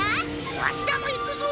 わしらもいくぞ！